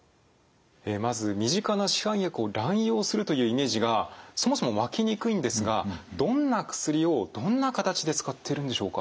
まず身近な市販薬を乱用するというイメージがそもそも湧きにくいんですがどんな薬をどんな形で使ってるんでしょうか？